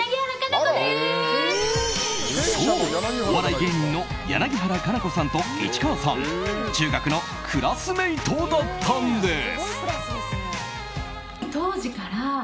そう、お笑い芸人の柳原可奈子さんと市川さん中学のクラスメートだったんです。